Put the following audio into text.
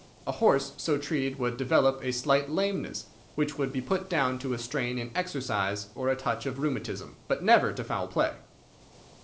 A horse so treated would develop a slight lameness, which would be put down to a strain in exercise or a touch of rheumatism, but never to foul play."